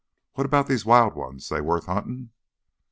What about these wild ones—they worth huntin'?"